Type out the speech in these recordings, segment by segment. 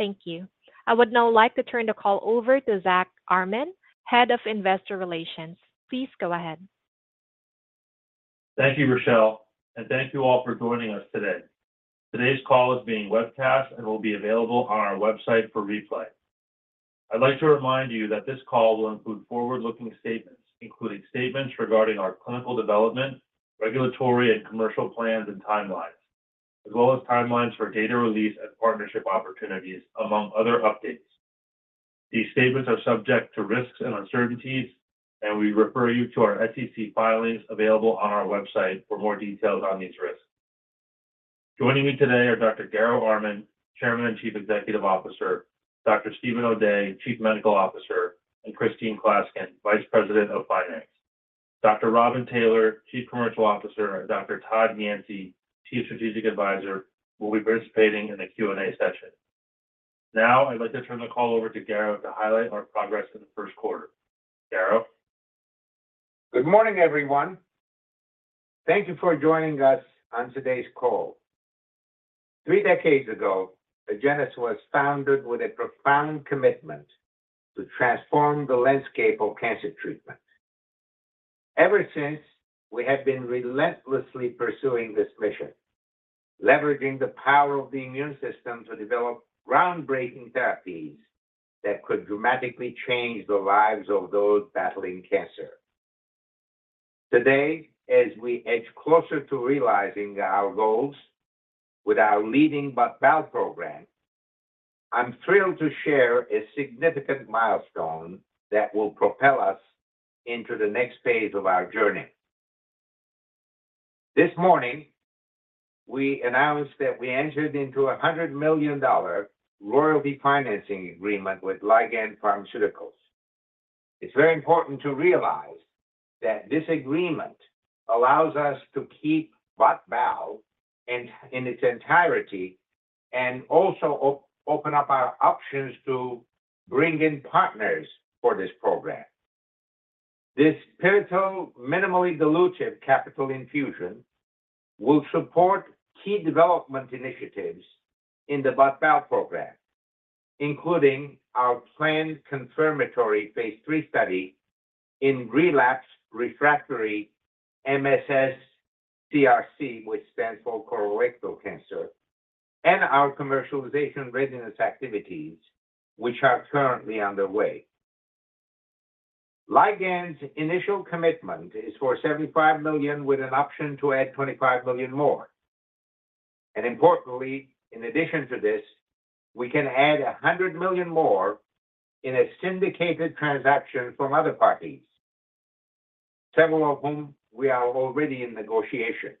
Thank you. I would now like to turn the call over to Zack Armen, Head of Investor Relations. Please go ahead. Thank you, Rochelle, and thank you all for joining us today. Today's call is being webcasted and will be available on our website for replay. I'd like to remind you that this call will include forward-looking statements, including statements regarding our clinical development, regulatory and commercial plans and timelines, as well as timelines for data release and partnership opportunities, among other updates. These statements are subject to risks and uncertainties, and we refer you to our SEC filings available on our website for more details on these risks. Joining me today are Dr. Garo Armen, Chairman and Chief Executive Officer, Dr. Steven O'Day, Chief Medical Officer, and Christine Klaskin, Vice President of Finance. Dr. Robin Taylor, Chief Commercial Officer, and Dr. Todd Yancey, Chief Strategic Advisor, will be participating in the Q&A session. Now, I'd like to turn the call over to Garo to highlight our progress for the first quarter. Garo? Good morning, everyone. Thank you for joining us on today's call. Three decades ago, Agenus was founded with a profound commitment to transform the landscape of cancer treatment. Ever since, we have been relentlessly pursuing this mission, leveraging the power of the immune system to develop groundbreaking therapies that could dramatically change the lives of those battling cancer. Today, as we edge closer to realizing our goals with our leading Bot/Bal program, I'm thrilled to share a significant milestone that will propel us into the next phase of our journey. This morning, we announced that we entered into a $100 million royalty financing agreement with Ligand Pharmaceuticals. It's very important to realize that this agreement allows us to keep Bot/Bal in its entirety and also open up our options to bring in partners for this program. This pivotal, minimally dilutive capital infusion will support key development initiatives in the Bot/Bal program, including our planned confirmatory phase 3 study in relapsed refractory MSS-CRC, which stands for colorectal cancer, and our commercialization readiness activities, which are currently underway. Ligand's initial commitment is for $75 million, with an option to add $25 million more, and importantly, in addition to this, we can add $100 million more in a syndicated transaction from other parties, several of whom we are already in negotiations,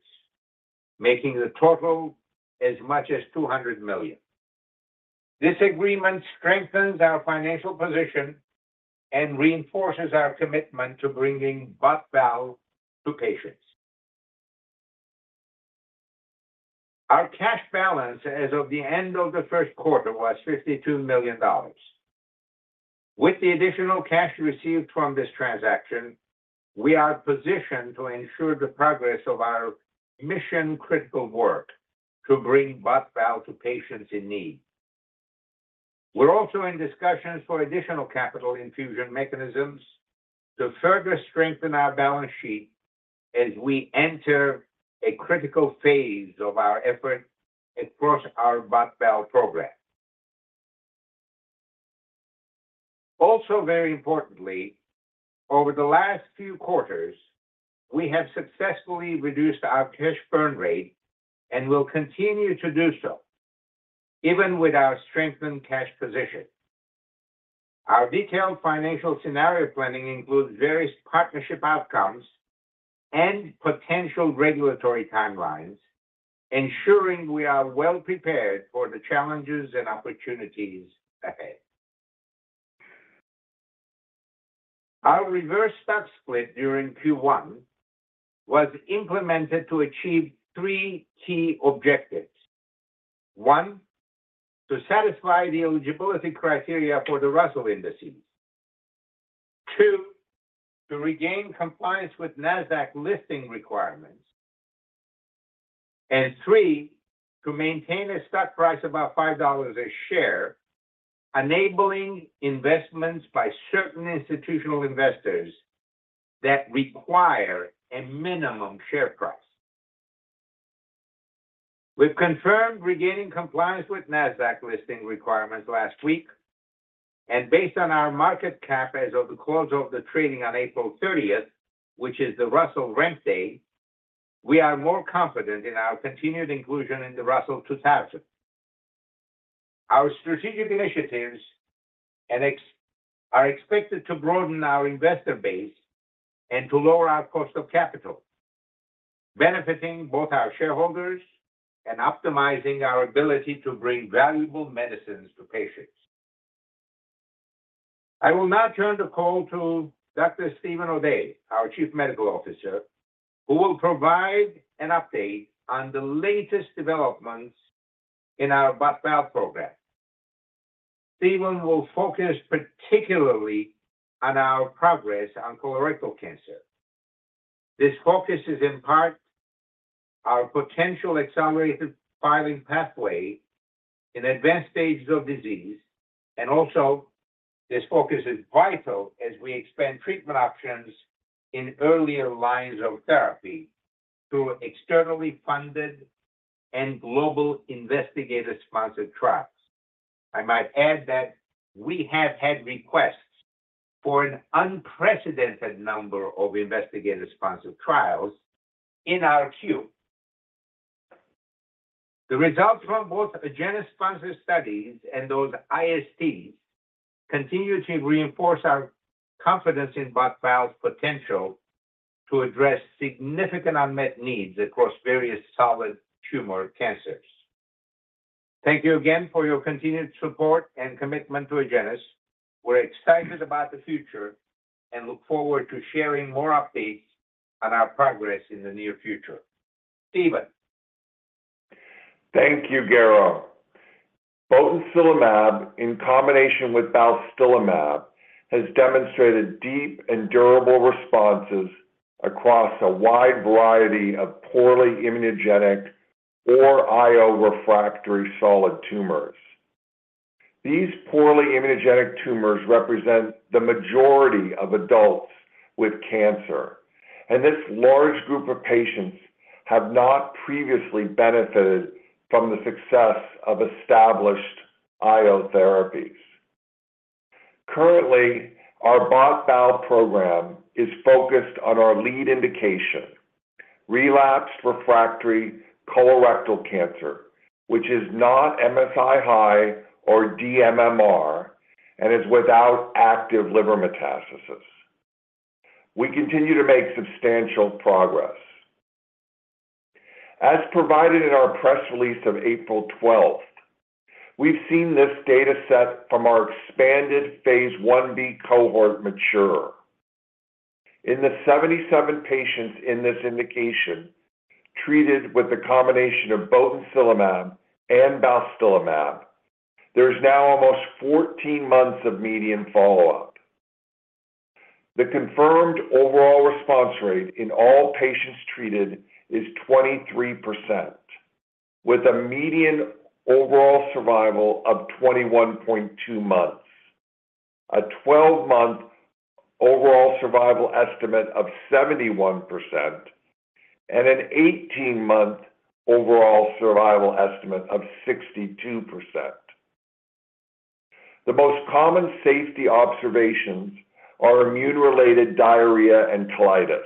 making the total as much as $200 million. This agreement strengthens our financial position and reinforces our commitment to bringing Bot/Bal to patients. Our cash balance as of the end of the first quarter was $52 million. With the additional cash received from this transaction, we are positioned to ensure the progress of our mission-critical work to bring Bot/Bal to patients in need. We're also in discussions for additional capital infusion mechanisms to further strengthen our balance sheet as we enter a critical phase of our effort across our Bot/Bal program. Also, very importantly, over the last few quarters, we have successfully reduced our cash burn rate and will continue to do so even with our strengthened cash position. Our detailed financial scenario planning includes various partnership outcomes and potential regulatory timelines, ensuring we are well prepared for the challenges and opportunities ahead. Our reverse stock split during Q1 was implemented to achieve three key objectives. One, to satisfy the eligibility criteria for the Russell Indices. Two, to regain compliance with Nasdaq listing requirements. Three, to maintain a stock price about $5 a share, enabling investments by certain institutional investors that require a minimum share price. We've confirmed regaining compliance with Nasdaq listing requirements last week, and based on our market cap as of the close of the trading on April thirtieth, which is the Russell re-rank day, we are more confident in our continued inclusion in the Russell 2000. Our strategic initiatives are expected to broaden our investor base and to lower our cost of capital, benefiting both our shareholders and optimizing our ability to bring valuable medicines to patients. I will now turn the call to Dr. Steven O'Day, our Chief Medical Officer, who will provide an update on the latest developments in our Bot/Bal program. Steven will focus particularly on our progress on colorectal cancer.... This focus is in part our potential accelerated filing pathway in advanced stages of disease, and also this focus is vital as we expand treatment options in earlier lines of therapy through externally funded and global investigator-sponsored trials. I might add that we have had requests for an unprecedented number of investigator-sponsored trials in our queue. The results from both Agenus-sponsored studies and those ISTs continue to reinforce our confidence in Bot/Bal's potential to address significant unmet needs across various solid tumor cancers. Thank you again for your continued support and commitment to Agenus. We're excited about the future and look forward to sharing more updates on our progress in the near future. Steven? Thank you, Garo. Botensilimab, in combination with balstilimab, has demonstrated deep and durable responses across a wide variety of poorly immunogenic or IO-refractory solid tumors. These poorly immunogenic tumors represent the majority of adults with cancer, and this large group of patients have not previously benefited from the success of established IO therapies. Currently, our Bot/Bal program is focused on our lead indication, relapsed refractory colorectal cancer, which is not MSI-high or dMMR, and is without active liver metastasis. We continue to make substantial progress. As provided in our press release of April twelfth, we've seen this data set from our expanded phase Ib cohort mature. In the 77 patients in this indication, treated with a combination of botensilimab and balstilimab, there is now almost 14 months of median follow-up. The confirmed overall response rate in all patients treated is 23%, with a median overall survival of 21.2 months, a 12-month overall survival estimate of 71%, and an 18-month overall survival estimate of 62%. The most common safety observations are immune-related diarrhea and colitis,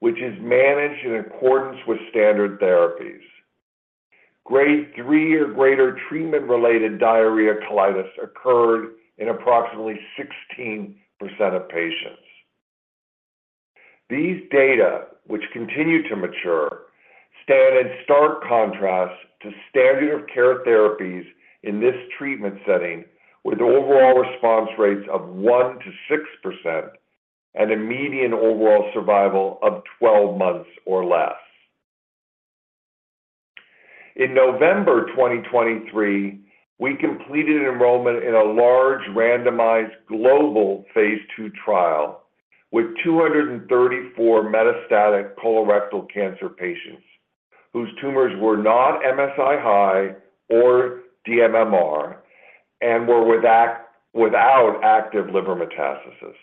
which is managed in accordance with standard therapies. Grade 3 or greater treatment-related diarrhea colitis occurred in approximately 16% of patients. These data, which continue to mature, stand in stark contrast to standard of care therapies in this treatment setting, with overall response rates of 1%-6% and a median overall survival of 12 months or less. In November 2023, we completed enrollment in a large, randomized, global phase II trial with 234 metastatic colorectal cancer patients whose tumors were not MSI-H or dMMR, and were without active liver metastasis.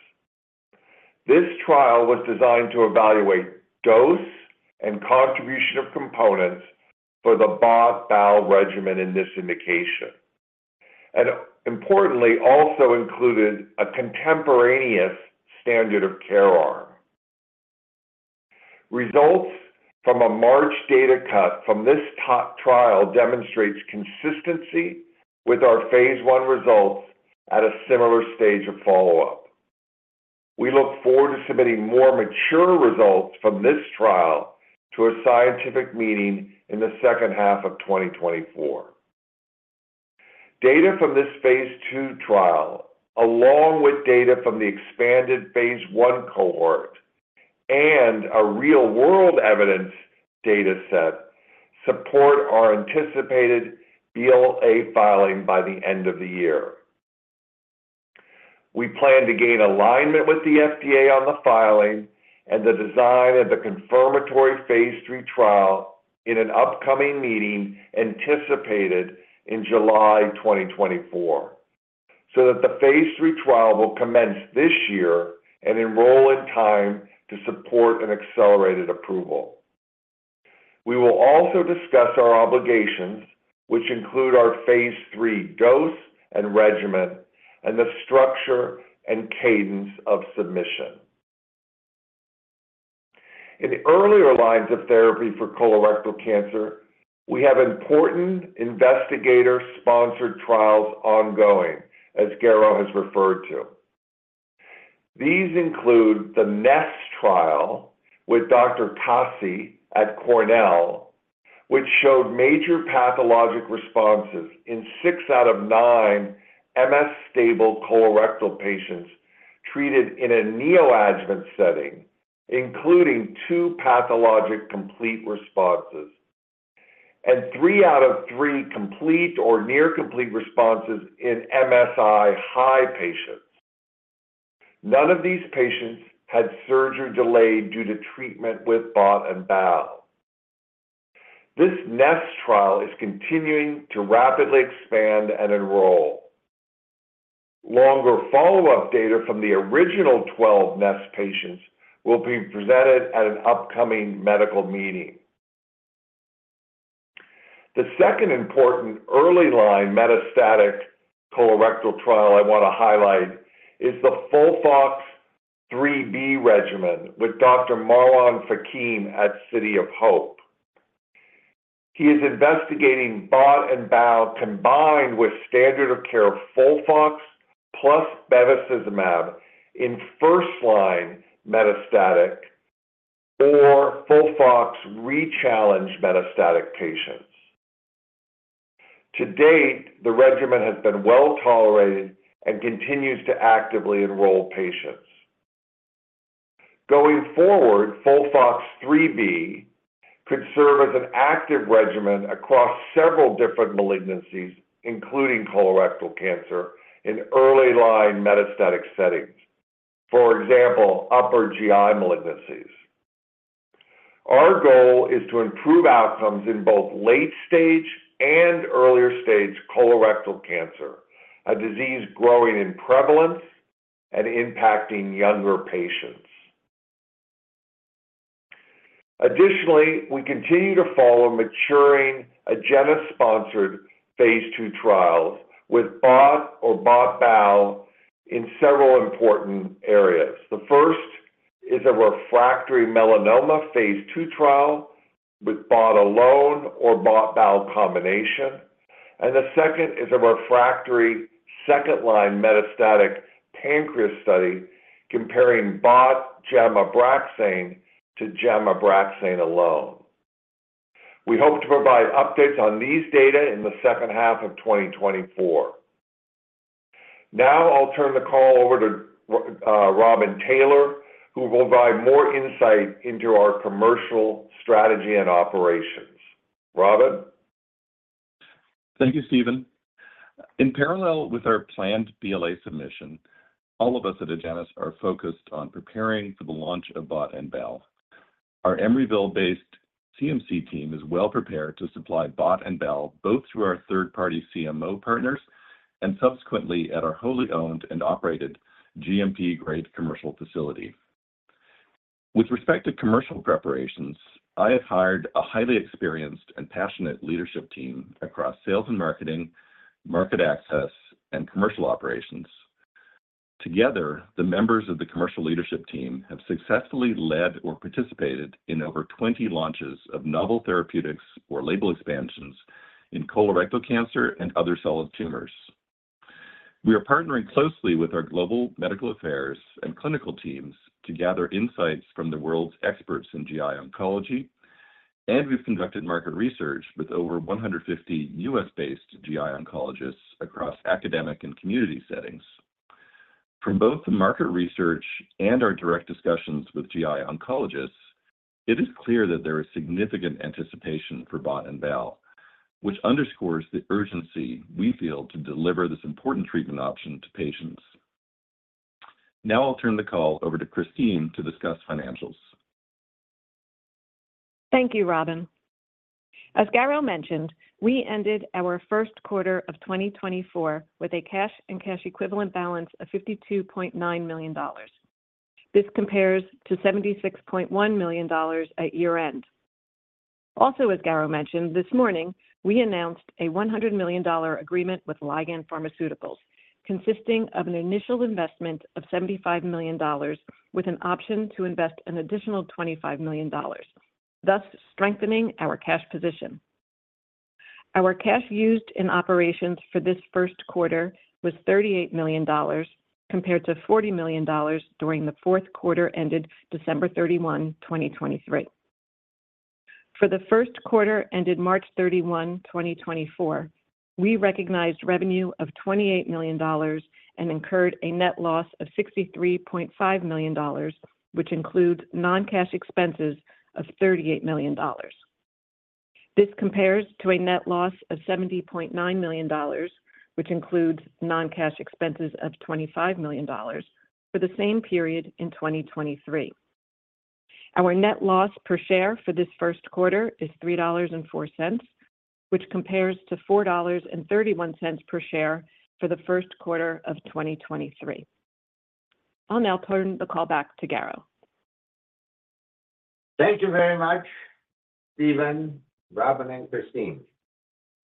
This trial was designed to evaluate dose and contribution of components for the Bot/Bal regimen in this indication, and importantly, also included a contemporaneous standard of care arm. Results from a March data cut from this top trial demonstrate consistency with our phase I results at a similar stage of follow-up. We look forward to submitting more mature results from this trial to a scientific meeting in the second half of 2024. Data from this phase II trial, along with data from the expanded phase I cohort and a real-world evidence dataset, support our anticipated BLA filing by the end of the year. We plan to gain alignment with the FDA on the filing and the design of the confirmatory phase III trial in an upcoming meeting anticipated in July 2024, so that the phase III trial will commence this year and enroll in time to support an accelerated approval. We will also discuss our obligations, which include our phase III dose and regimen and the structure and cadence of submission. In the earlier lines of therapy for colorectal cancer, we have important investigator-sponsored trials ongoing, as Garo has referred to. These include the NEST trial with Dr. Kasi at Cornell, which showed major pathologic responses in six out of nine MSS stable colorectal patients treated in a neoadjuvant setting, including two pathologic complete responses, and three out of three complete or near complete responses in MSI-H patients. None of these patients had surgery delayed due to treatment with botensilimab and balstilimab. This NEST trial is continuing to rapidly expand and enroll. Longer follow-up data from the original 12 NEST patients will be presented at an upcoming medical meeting. The second important early line metastatic colorectal trial I want to highlight is the FOLFOX 3B regimen with Dr. Marwan Fakih at City of Hope. He is investigating botensilimab and balstilimab combined with standard of care FOLFOX plus bevacizumab in first-line metastatic or FOLFOX rechallenged metastatic patients. To date, the regimen has been well tolerated and continues to actively enroll patients. Going forward, FOLFOX/Bev could serve as an active regimen across several different malignancies, including colorectal cancer, in early-line metastatic settings. For example, upper GI malignancies. Our goal is to improve outcomes in both late stage and earlier stage colorectal cancer, a disease growing in prevalence and impacting younger patients. Additionally, we continue to follow maturing Agenus-sponsored phase 2 trials with BOT or BOT/BAL in several important areas. The first is a refractory melanoma phase 2 trial with BOT alone or BOT/BAL combination, and the second is a refractory second-line metastatic pancreas study comparing BOT gemcitabine to gemcitabine alone. We hope to provide updates on these data in the second half of 2024. Now I'll turn the call over to Robin Taylor, who will provide more insight into our commercial strategy and operations. Robin? Thank you, Steven. In parallel with our planned BLA submission, all of us at Agenus are focused on preparing for the launch of botensilimab and balstilimab. Our Emeryville-based CMC team is well prepared to supply botensilimab and balstilimab, both through our third-party CMO partners and subsequently at our wholly owned and operated GMP grade commercial facility. With respect to commercial preparations, I have hired a highly experienced and passionate leadership team across sales and marketing, market access, and commercial operations. Together, the members of the commercial leadership team have successfully led or participated in over 20 launches of novel therapeutics or label expansions in colorectal cancer and other solid tumors. We are partnering closely with our global medical affairs and clinical teams to gather insights from the world's experts in GI oncology, and we've conducted market research with over 150 US-based GI oncologists across academic and community settings. From both the market research and our direct discussions with GI oncologists, it is clear that there is significant anticipation for Bot and Bal, which underscores the urgency we feel to deliver this important treatment option to patients. Now I'll turn the call over to Christine to discuss financials. Thank you, Robin. As Garo mentioned, we ended our first quarter of 2024 with a cash and cash equivalent balance of $52.9 million. This compares to $76.1 million at year-end. Also, as Garo mentioned this morning, we announced a $100 million agreement with Ligand Pharmaceuticals, consisting of an initial investment of $75 million, with an option to invest an additional $25 million, thus strengthening our cash position. Our cash used in operations for this first quarter was $38 million, compared to $40 million during the fourth quarter ended December 31, 2023. For the first quarter ended March 31, 2024, we recognized revenue of $28 million and incurred a net loss of $63.5 million, which includes non-cash expenses of $38 million. This compares to a net loss of $70.9 million, which includes non-cash expenses of $25 million for the same period in 2023. Our net loss per share for this first quarter is $3.04, which compares to $4.31 per share for the first quarter of 2023. I'll now turn the call back to Garo. Thank you very much, Steven, Robin, and Christine.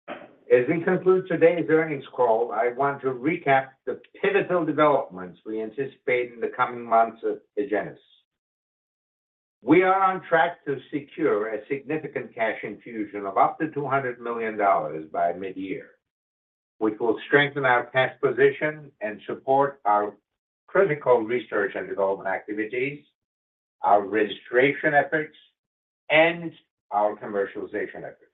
As we conclude today's earnings call, I want to recap the pivotal developments we anticipate in the coming months at Agenus. We are on track to secure a significant cash infusion of up to $200 million by mid-year, which will strengthen our cash position and support our critical research and development activities, our registration efforts, and our commercialization efforts.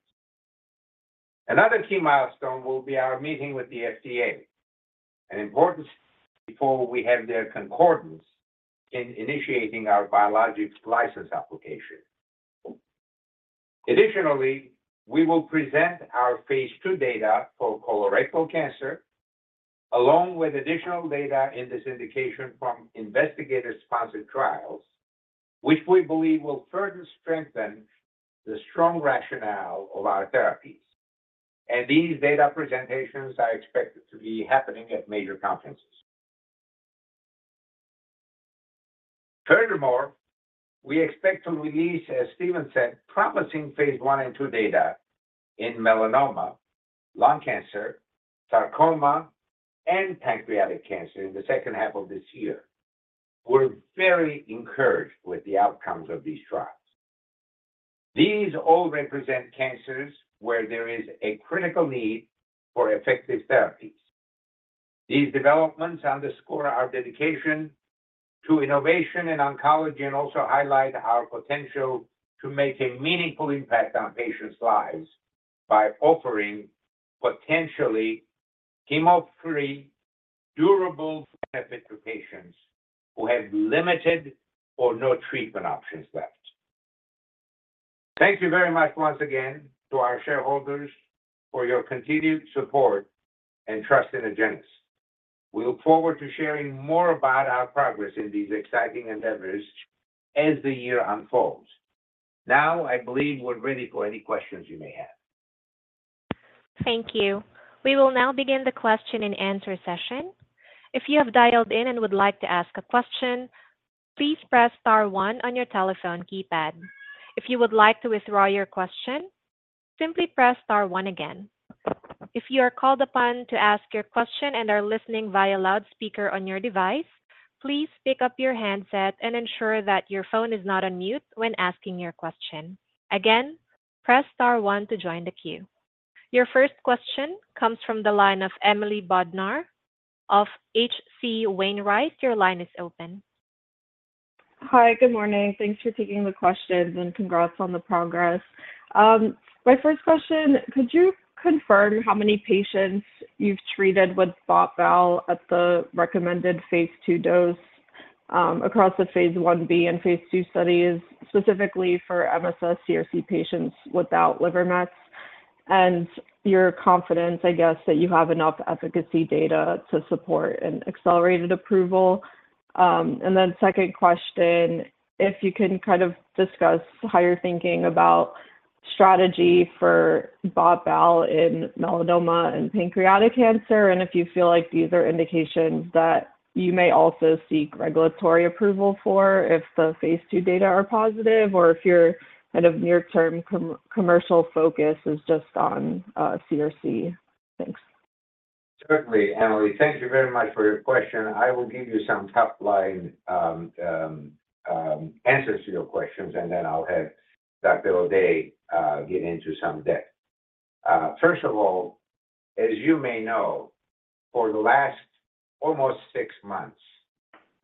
Another key milestone will be our meeting with the FDA and importance before we have their concurrence in initiating our biologics license application. Additionally, we will present our phase 2 data for colorectal cancer, along with additional data in this indication from investigator-sponsored trials, which we believe will further strengthen the strong rationale of our therapies, and these data presentations are expected to be happening at major conferences. Furthermore, we expect to release, as Steven said, promising phase one and two data in melanoma, lung cancer, sarcoma, and pancreatic cancer in the second half of this year. We're very encouraged with the outcomes of these trials. These all represent cancers where there is a critical need for effective therapies. These developments underscore our dedication to innovation in oncology and also highlight our potential to make a meaningful impact on patients' lives by offering potentially chemo-free, durable therapy to patients who have limited or no treatment options left. Thank you very much once again to our shareholders for your continued support and trust in Agenus. We look forward to sharing more about our progress in these exciting endeavors as the year unfolds. Now, I believe we're ready for any questions you may have. Thank you. We will now begin the question and answer session. If you have dialed in and would like to ask a question, please press star one on your telephone keypad. If you would like to withdraw your question, simply press star one again. If you are called upon to ask your question and are listening via loudspeaker on your device, please pick up your handset and ensure that your phone is not on mute when asking your question. Again, press star one to join the queue. Your first question comes from the line of Emily Bodnar of H.C. Wainwright. Your line is open. Hi. Good morning. Thanks for taking the questions, and congrats on the progress. My first question, could you confirm how many patients you've treated with Bot/Bal at the recommended phase two dose, across the phase one B and phase two studies, specifically for MSS-CRC patients without liver mets, and your confidence, I guess, that you have enough efficacy data to support an accelerated approval? And then second question, if you can kind of discuss how you're thinking about strategy for Bot/Bal in melanoma and pancreatic cancer, and if you feel like these are indications that you may also seek regulatory approval for if the phase two data are positive, or if your kind of near-term commercial focus is just on CRC. Thanks. Certainly, Emily. Thank you very much for your question. I will give you some top-line answers to your questions, and then I'll have Dr. O'Day get into some depth. First of all, as you may know, for the last almost 6 months,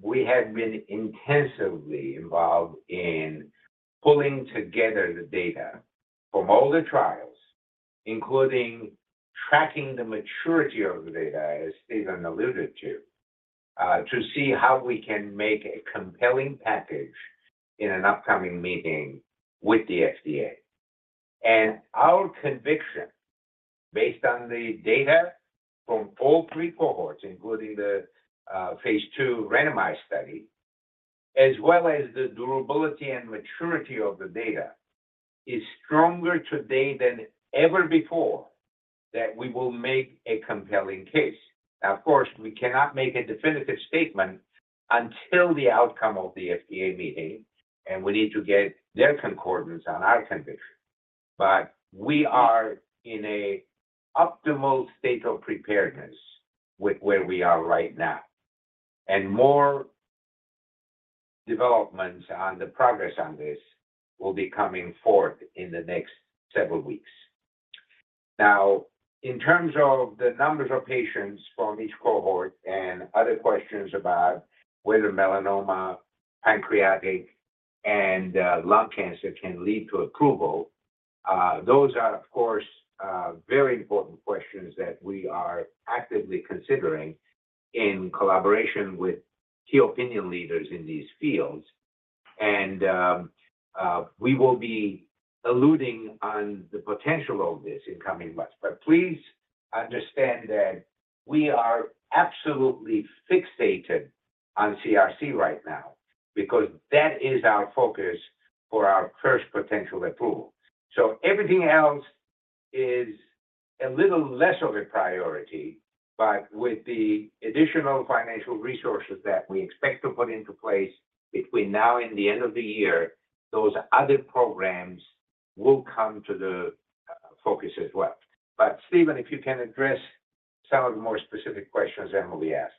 we have been intensively involved in pulling together the data from all the trials, including tracking the maturity of the data, as Steven alluded to, to see how we can make a compelling package in an upcoming meeting with the FDA. And our conviction, based on the data from all 3 cohorts, including the phase 2 randomized study, as well as the durability and maturity of the data, is stronger today than ever before that we will make a compelling case. Now, of course, we cannot make a definitive statement until the outcome of the FDA meeting, and we need to get their concordance on our conviction. But we are in a optimal state of preparedness with where we are right now, and more developments on the progress on this will be coming forth in the next several weeks. Now, in terms of the numbers of patients from each cohort and other questions about whether melanoma, pancreatic, and lung cancer can lead to approval, those are, of course, very important questions that we are actively considering in collaboration with key opinion leaders in these fields. And we will be alluding on the potential of this in coming months. But please understand that we are absolutely fixated on CRC right now, because that is our focus for our first potential approval. So everything else is a little less of a priority, but with the additional financial resources that we expect to put into place between now and the end of the year, those other programs will come to the focus as well. But Steven, if you can address some of the more specific questions Emily asked.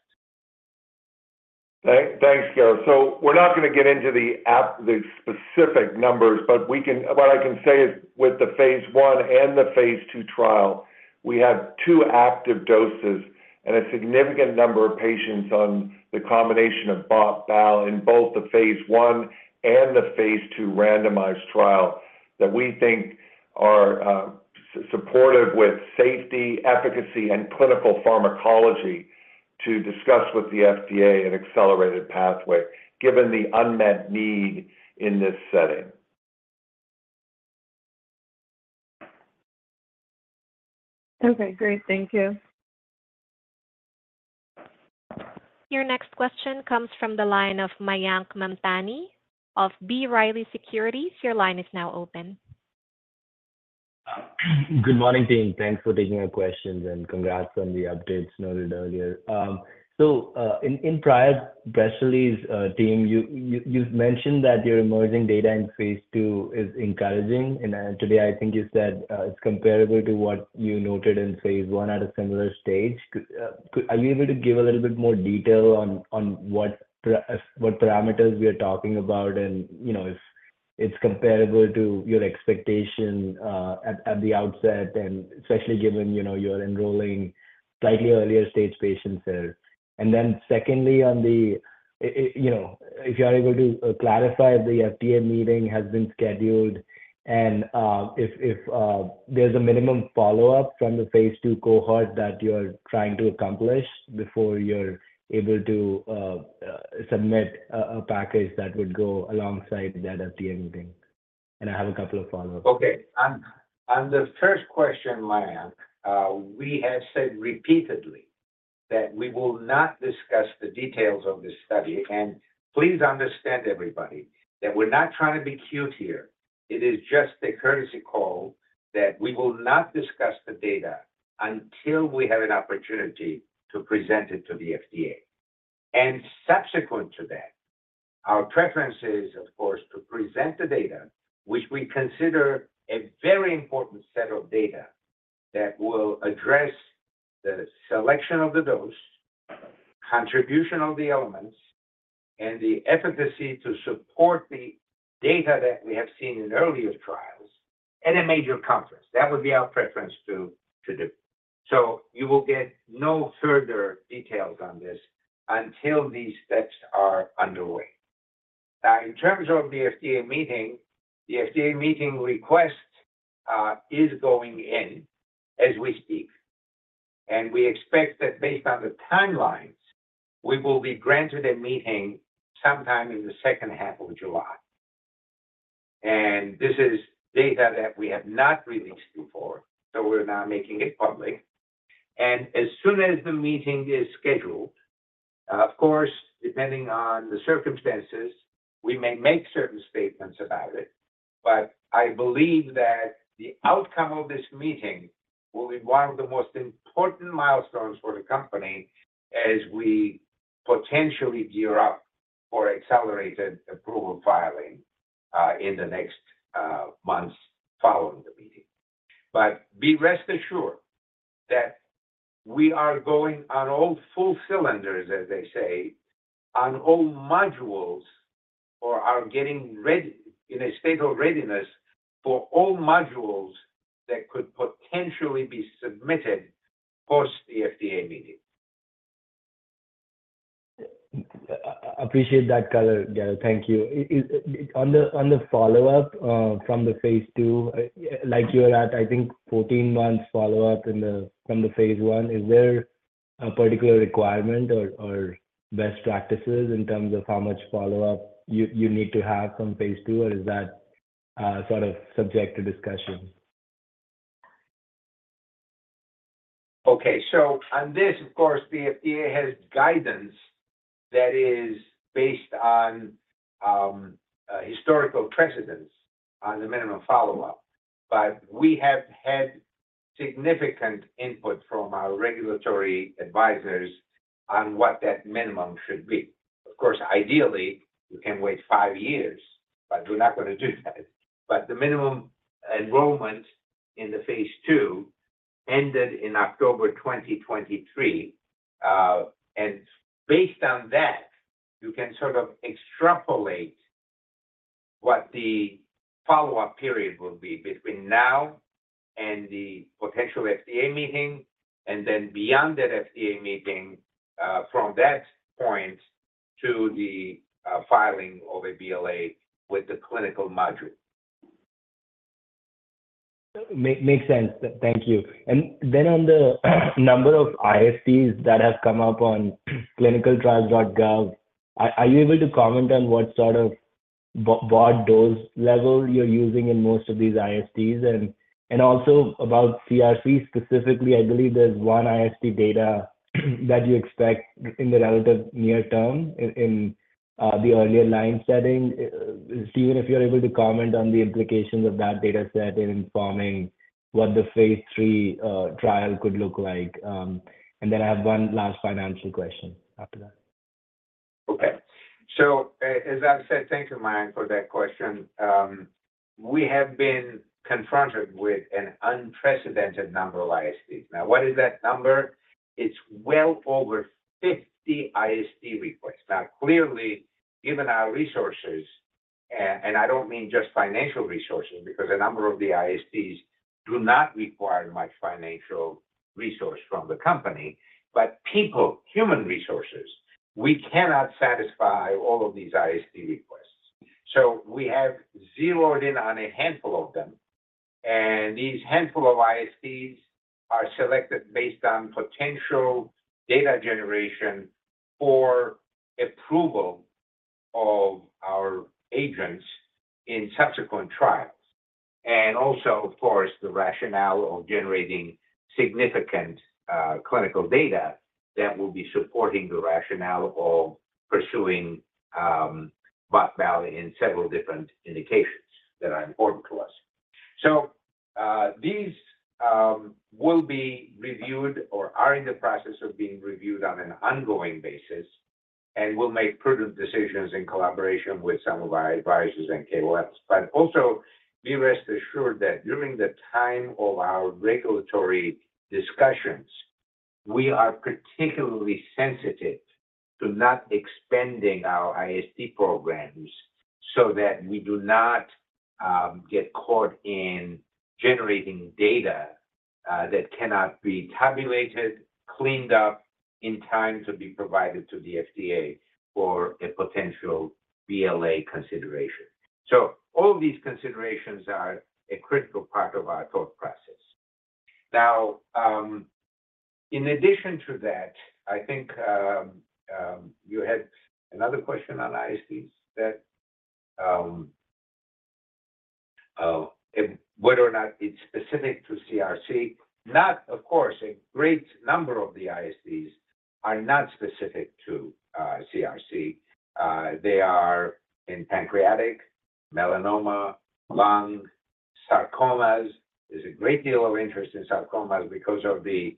Thanks, Garo. So we're not gonna get into the specific numbers, but what I can say is with the phase 1 and the phase 2 trial, we have 2 active doses and a significant number of patients on the combination of Bot/Bal in both the phase 1 and the phase 2 randomized trial. that we think are supportive with safety, efficacy, and clinical pharmacology to discuss with the FDA an accelerated pathway, given the unmet need in this setting. Okay, great. Thank you. Your next question comes from the line of Mayank Mamtani of B. Riley Securities. Your line is now open. Good morning, team. Thanks for taking my questions, and congrats on the updates noted earlier. So, in prior press releases, you've mentioned that your emerging data in phase 2 is encouraging, and today, I think you said, it's comparable to what you noted in phase 1 at a similar stage. Are you able to give a little bit more detail on what parameters we are talking about? And, you know, if it's comparable to your expectation at the outset, and especially given, you know, you're enrolling slightly earlier stage patients there. And then secondly, on the, you know, if you are able to clarify, the FDA meeting has been scheduled, and if there's a minimum follow-up from the phase 2 cohort that you're trying to accomplish before you're able to submit a package that would go alongside that FDA meeting. And I have a couple of follow-ups. Okay. On the first question, Mayank, we have said repeatedly that we will not discuss the details of this study. Please understand, everybody, that we're not trying to be cute here. It is just a courtesy call that we will not discuss the data until we have an opportunity to present it to the FDA. Subsequent to that, our preference is, of course, to present the data, which we consider a very important set of data, that will address the selection of the dose, contribution of the elements, and the efficacy to support the data that we have seen in earlier trials, at a major conference. That would be our preference to do. You will get no further details on this until these steps are underway. Now, in terms of the FDA meeting, the FDA meeting request, is going in as we speak, and we expect that based on the timelines, we will be granted a meeting sometime in the second half of July. This is data that we have not released before, so we're now making it public. As soon as the meeting is scheduled, of course, depending on the circumstances, we may make certain statements about it, but I believe that the outcome of this meeting will be one of the most important milestones for the company as we potentially gear up for accelerated approval filing, in the next, months following the meeting. Rest assured that we are firing on all cylinders, as they say, on all modules, and are getting ready, in a state of readiness for all modules that could potentially be submitted post the FDA meeting. Appreciate that color, Garo. Thank you. On the follow-up from the phase 2, like you're at, I think 14 months follow-up in the from the phase 1, is there a particular requirement or best practices in terms of how much follow-up you need to have from phase 2, or is that sort of subject to discussion? Okay. So on this, of course, the FDA has guidance that is based on historical precedent on the minimum follow-up, but we have had significant input from our regulatory advisors on what that minimum should be. Of course, ideally, you can wait five years, but we're not gonna do that. But the minimum enrollment in the phase 2 ended in October 2023. And based on that, you can sort of extrapolate what the follow-up period will be between now and the potential FDA meeting, and then beyond that FDA meeting, from that point to the filing of a BLA with the clinical module. Makes sense. Thank you. And then on the number of ISTs that have come up on clinicaltrials.gov, are you able to comment on what sort of broad dose level you're using in most of these ISTs? And also about CRC specifically, I believe there's one IST data that you expect in the relative near term in the earlier line setting. Steven, if you're able to comment on the implications of that data set in informing what the phase three trial could look like. And then I have one last financial question after that. Okay. As I've said, thank you, Mayank, for that question. We have been confronted with an unprecedented number of ISTs. Now, what is that number? It's well over 50 IST requests. Now, clearly, given our resources, and I don't mean just financial resources, because a number of the ISTs do not require much financial resource from the company, but people, human resources. We cannot satisfy all of these IST requests. So we have zeroed in on a handful of them, and these handful of ISTs are selected based on potential data generation for approval of our agents in subsequent trials. And also, of course, the rationale of generating significant clinical data that will be supporting the rationale of pursuing Bot/Bal in several different indications that are important to us. So, these will be reviewed or are in the process of being reviewed on an ongoing basis, and we'll make prudent decisions in collaboration with some of our advisors and KOLs. But also, be rest assured that during the time of our regulatory discussions, we are particularly sensitive to not expanding our IST programs so that we do not get caught in generating data that cannot be tabulated, cleaned up in time to be provided to the FDA for a potential BLA consideration. So all of these considerations are a critical part of our thought process. Now, in addition to that, I think you had another question on ISTs that if whether or not it's specific to CRC. Not, of course, a great number of the ISTs are not specific to CRC. They are in pancreatic, melanoma, lung, sarcomas. There's a great deal of interest in sarcomas because of the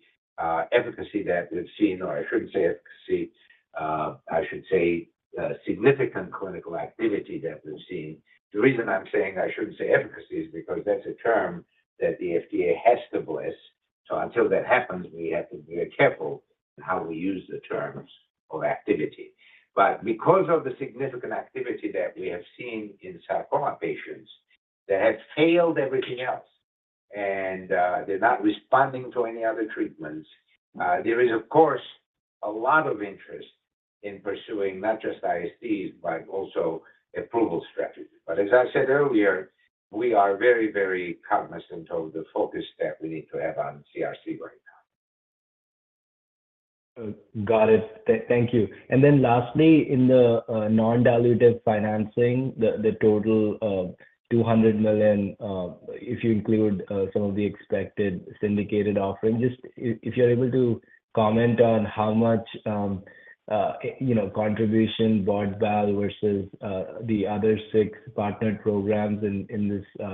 efficacy that we've seen, or I shouldn't say efficacy, I should say significant clinical activity that we've seen. The reason I'm saying I shouldn't say efficacy is because that's a term that the FDA has to bless. So until that happens, we have to be very careful in how we use the terms of activity. But because of the significant activity that we have seen in sarcoma patients, they have failed everything else, and they're not responding to any other treatments, there is, of course, a lot of interest in pursuing not just ISTs, but also approval strategies. But as I said earlier, we are very, very cognizant of the focus that we need to have on CRC right now. Got it. Thank you. And then lastly, in the non-dilutive financing, the total $200 million, if you include some of the expected syndicated offerings, just if you're able to comment on how much contribution Bot/Bal versus the other six partner programs in this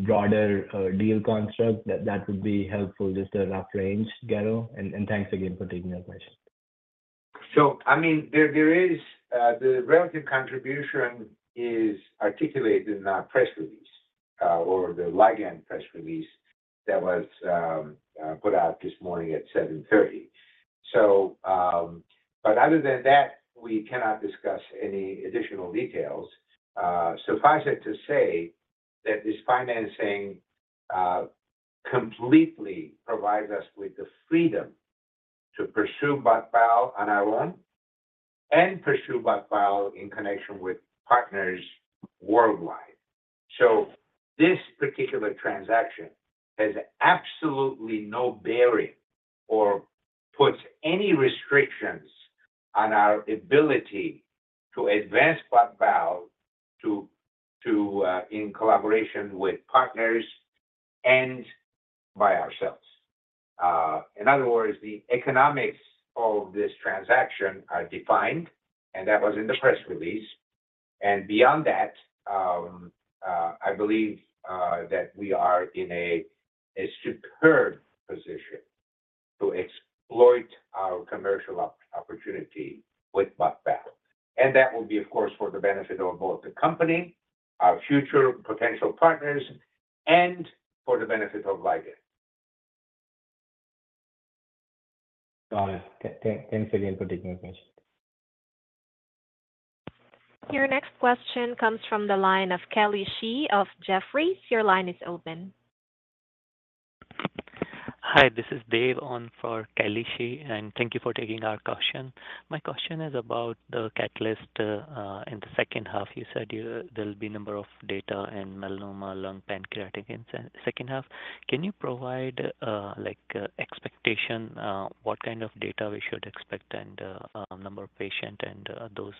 broader deal construct, that would be helpful, just a rough range, Garo. And thanks again for taking your question. So I mean, there is the relative contribution is articulated in our press release, or the Ligand press release that was put out this morning at 7:30 A.M. So, but other than that, we cannot discuss any additional details. Suffice it to say that this financing completely provides us with the freedom to pursue Bot/Bal on our own and pursue Bot/Bal in connection with partners worldwide. So this particular transaction has absolutely no bearing or puts any restrictions on our ability to advance Bot/Bal to in collaboration with partners and by ourselves. In other words, the economics of this transaction are defined, and that was in the press release. And beyond that, I believe that we are in a superb position to exploit our commercial opportunity with Bot/Bal, and that will be, of course, for the benefit of both the company, our future potential partners, and for the benefit of Ligand. Got it. Thanks again for taking the question. Your next question comes from the line of Kelly Shi of Jefferies. Your line is open. Hi, this is Dave on for Kelly Shi, and thank you for taking our question. My question is about the catalyst in the second half. You said there'll be a number of data in melanoma, lung, pancreatic in second half. Can you provide, like, expectation, what kind of data we should expect and, number of patient and, those,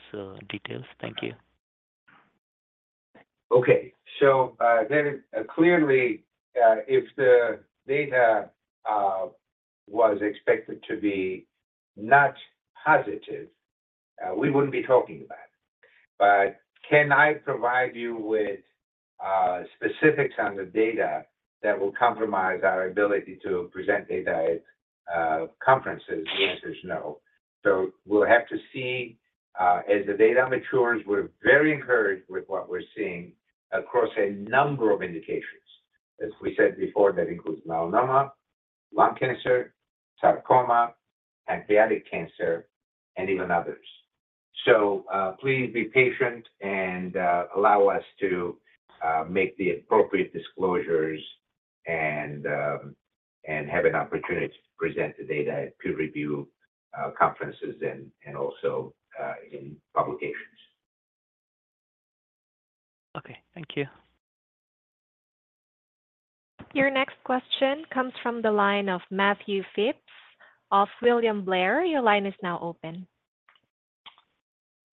details? Thank you. Okay. So, there is. Clearly, if the data was expected to be not positive, we wouldn't be talking about it. But can I provide you with specifics on the data that will compromise our ability to present data at conferences? The answer is no. So we'll have to see as the data matures, we're very encouraged with what we're seeing across a number of indications. As we said before, that includes melanoma, lung cancer, sarcoma, pancreatic cancer, and even others. So, please be patient and allow us to make the appropriate disclosures and have an opportunity to present the data at peer review conferences and also in publications. Okay. Thank you. Your next question comes from the line of Matthew Phipps of William Blair. Your line is now open.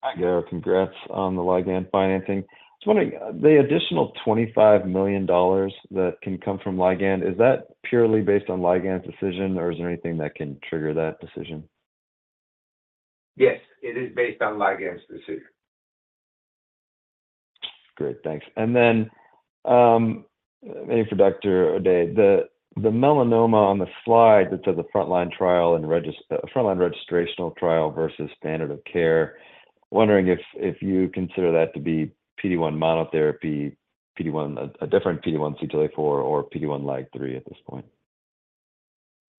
Hi, Garo. Congrats on the Ligand financing. I was wondering, the additional $25 million that can come from Ligand, is that purely based on Ligand's decision, or is there anything that can trigger that decision? Yes, it is based on Ligand's decision. Great, thanks. And then, maybe for Dr. O'Day, the melanoma on the slide that says the frontline trial and frontline registrational trial versus standard of care, wondering if you consider that to be PD-1 monotherapy, PD-1, a different PD-1 CTLA-4, or PD-1 LAG-3 at this point?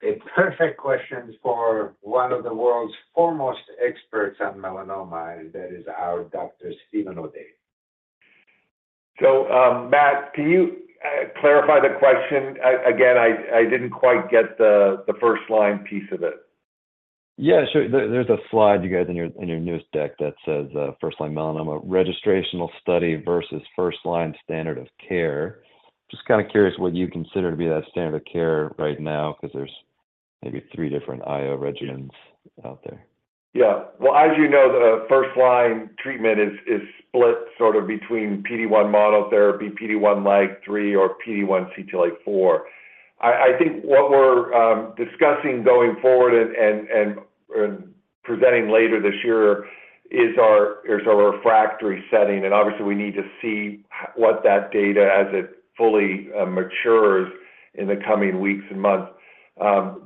A perfect question for one of the world's foremost experts on melanoma, and that is our Dr. Steven O'Day. Matt, can you clarify the question? Again, I didn't quite get the first line piece of it. Yeah, sure. There's a slide, you guys, in your news deck that says, "First line melanoma registrational study versus first line standard of care." Just kind of curious what you consider to be that standard of care right now, 'cause there's maybe 3 different IO regimens out there. Yeah. Well, as you know, the first line treatment is split sort of between PD-1 monotherapy, PD-1 LAG-3, or PD-1 CTLA-4. I think what we're discussing going forward and presenting later this year is our refractory setting, and obviously, we need to see what that data, as it fully matures in the coming weeks and months.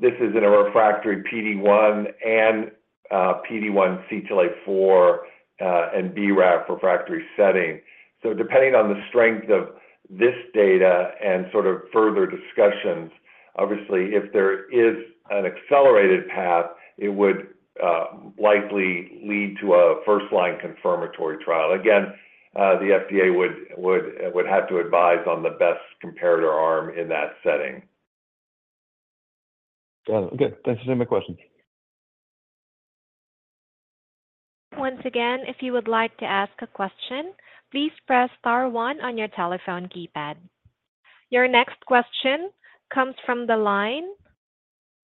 This is in a refractory PD-1 and PD-1 CTLA-4 and BRAF refractory setting. So depending on the strength of this data and sort of further discussions, obviously, if there is an accelerated path, it would likely lead to a first-line confirmatory trial. Again, the FDA would have to advise on the best comparator arm in that setting. Got it. Okay, thanks. That's my questions. Once again, if you would like to ask a question, please press star one on your telephone keypad. Your next question comes from the line.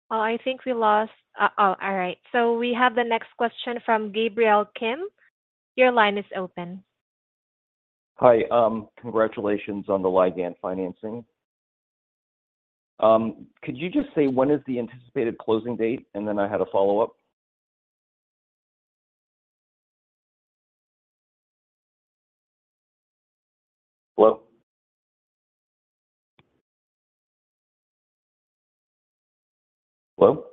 Oh, I think we lost. Oh, all right. So we have the next question from Gabriel Kim. Your line is open. Hi, congratulations on the Ligand financing. Could you just say when is the anticipated closing date? And then I had a follow-up. Hello? Hello?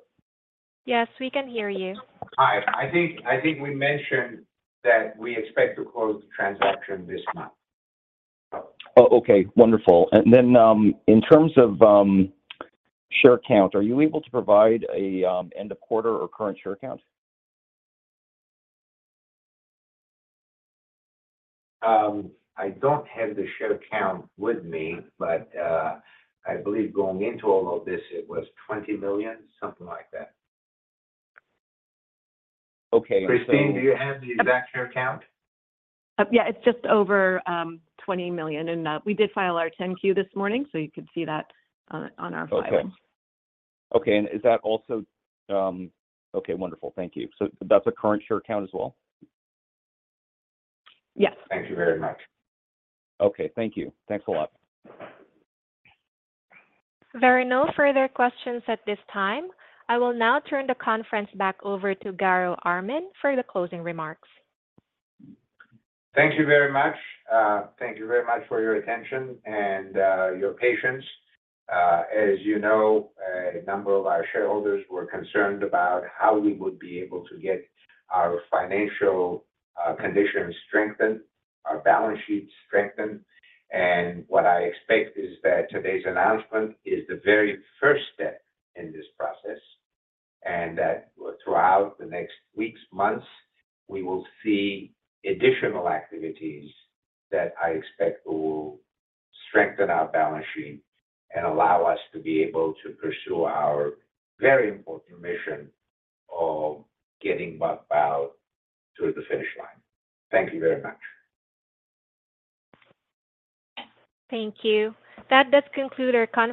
Yes, we can hear you. Hi. I think, I think we mentioned that we expect to close the transaction this month. Oh, okay. Wonderful. And then, in terms of share count, are you able to provide an end of quarter or current share count? I don't have the share count with me, but I believe going into all of this, it was 20 million, something like that. Okay, so- Christine, do you have the exact share count? Yeah, it's just over $20 million, and we did file our 10-Q this morning, so you could see that on our file. Okay. Okay, and is that also... Okay, wonderful. Thank you. So that's a current share count as well? Yes. Thank you very much. Okay, thank you. Thanks a lot. There are no further questions at this time. I will now turn the conference back over to Garo Armen for the closing remarks. Thank you very much. Thank you very much for your attention and your patience. As you know, a number of our shareholders were concerned about how we would be able to get our financial condition strengthened, our balance sheet strengthened. What I expect is that today's announcement is the very first step in this process, and that throughout the next weeks, months, we will see additional activities that I expect will strengthen our balance sheet and allow us to be able to pursue our very important mission of getting botensilimab to the finish line. Thank you very much. Thank you. That does conclude our conference-